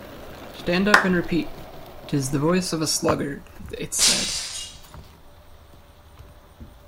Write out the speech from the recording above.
‘Stand up and repeat “‘Tis the voice of the sluggard,”’ it said.